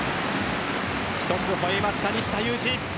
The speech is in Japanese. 一つ、吠えました西田有志。